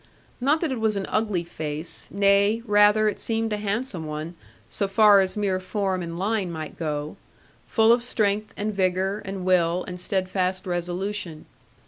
Not that it was an ugly face; nay, rather it seemed a handsome one, so far as mere form and line might go, full of strength, and vigour, and will, and steadfast resolution.